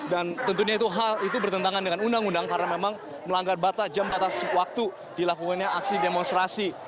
dan tentunya itu hal itu bertentangan dengan undang undang karena memang melanggar batas jam batas waktu dilakukannya aksi demonstrasi